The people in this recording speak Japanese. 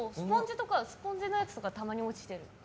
スポンジのやつとかたまに落ちてる。